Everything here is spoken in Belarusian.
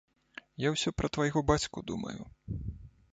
Я ўсё пра твайго бацьку думаю.